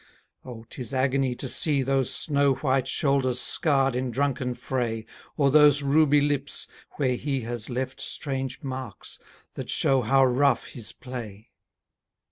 Oh, 'tis agony to see Those snowwhite shoulders scarr'd in drunken fray, Or those ruby lips, where he Has left strange marks, that show how rough his play!